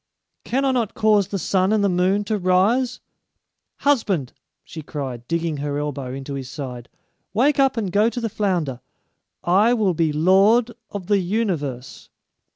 can I not cause the sun and the moon to rise? Husband!" she cried, digging her elbow into his side, "wake up and go to the flounder. I will be lord of the universe."